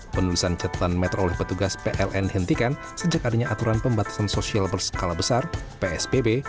penulisan catatan meter oleh petugas pln hentikan sejak adanya aturan pembatasan sosial berskala besar psbb